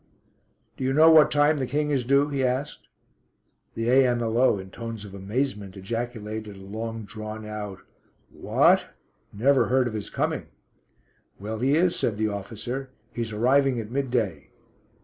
"Do you know what time the King is due?" he asked. The A.M.L.O. in tones of amazement ejaculated a long drawn out "What; never heard of his coming." "Well, he is," said the officer. "He's arriving at midday."